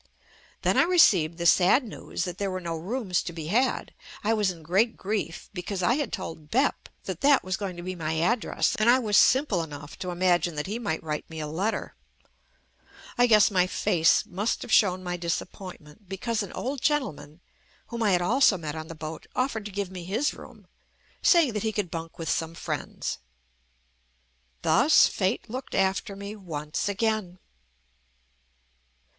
Then I received the sad news that there were no rooms to be had. I was in great grief because I had told "Bep" that that was going to be my address, and I was simple enough to imagine that he might write me a let ter. I guess my face must have shown my disappointment, because an old gentleman, whom I had also met on the boat, offered to give me his room, saying that he could bunk with some friends. Thus fate looked after me once again.